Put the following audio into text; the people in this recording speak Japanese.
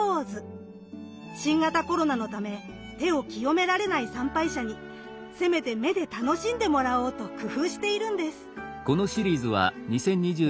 新型コロナのため手を清められない参拝者にせめて目で楽しんでもらおうと工夫しているんです。